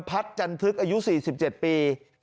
พัฒน์จันทึกอายุ๔๗ปี